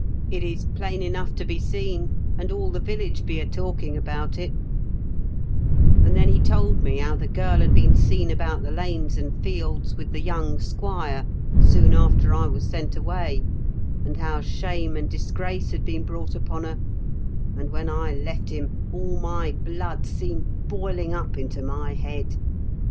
It is plain enough to be seen, and all the village be a talking about it' "And then he told me how the girl had been seen about the lanes and fields with the young squire soon after I was sent away, and how shame and disgrace had been brought upon her ; and when I left him all my blood seemed boiling up into my head.